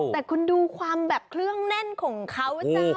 แต่คุณดูความแบบเครื่องแน่นของเขาจ้า